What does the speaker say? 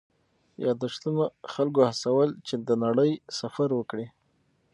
یادښتونه خلکو هڅول چې د نړۍ سفر وکړي.